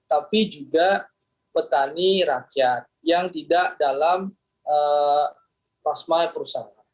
tapi juga petani rakyat yang tidak dalam plasma perusahaan